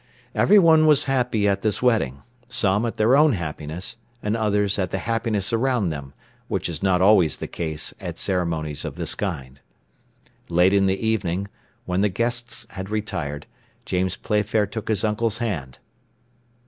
Everyone was happy at this wedding; some at their own happiness, and others at the happiness around them, which is not always the case at ceremonies of this kind. Late in the evening, when the guests had retired, James Playfair took his uncle's hand.